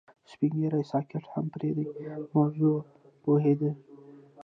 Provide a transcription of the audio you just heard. سپین ږیری سکاټ هم پر دې موضوع پوهېده